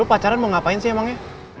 oh pacaran mau ngapain sih emangnya